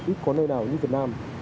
ít có nơi nào như việt nam